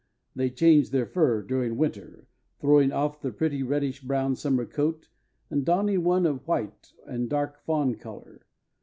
They change their fur during winter, throwing off the pretty reddish brown summer coat, and donning one of white and dark fawn color.